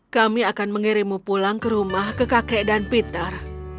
kami akan mengirimmu pulang ke rumah ke kakek dan peter